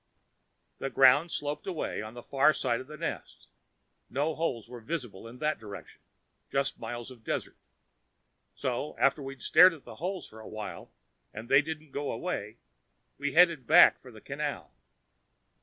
The ground sloped away on the far side of the nest no holes were visible in that direction just miles of desert. So, after we'd stared at the holes for a while and they didn't go away, we headed back for the canal.